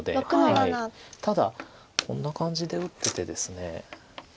ただこんな感じで打っててですね。